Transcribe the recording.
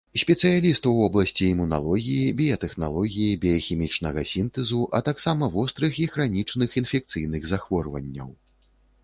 Спецыяліст у вобласці імуналогіі, біятэхналогіі, біяхімічнага сінтэзу, а таксама вострых і хранічных інфекцыйных захворванняў.